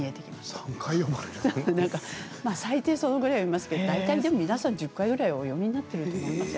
最低そのぐらいは読みますけど大体でも皆さん、１０回くらいお読みになっていると思います。